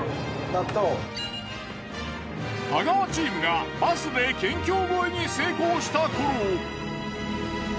太川チームがバスで県境越えに成功した頃。